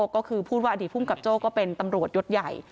ก็คือพูดว่าอดีตภูมิกับโจ้ก็เป็นตำรวจยศใหญ่